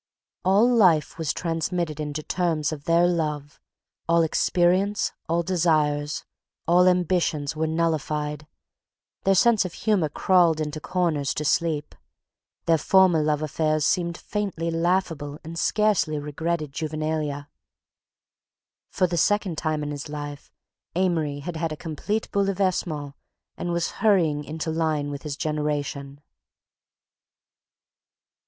All life was transmitted into terms of their love, all experience, all desires, all ambitions, were nullified—their senses of humor crawled into corners to sleep; their former love affairs seemed faintly laughable and scarcely regretted juvenalia. For the second time in his life Amory had had a complete bouleversement and was hurrying into line with his generation.